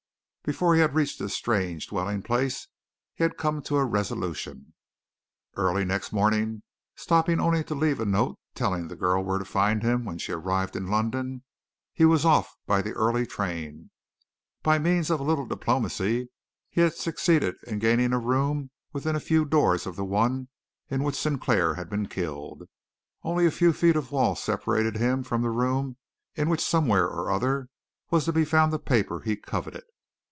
Before he had reached his strange dwelling place he had come to a resolution. Early next morning, stopping only to leave a note telling the girl where to find him when she arrived in London, he was off by the early train. By means of a little diplomacy he had succeeded in gaining a room within a few doors of the one in which Sinclair had been killed. Only a few feet of wall separated him from the room in which, somewhere or other, was to be found the paper he coveted.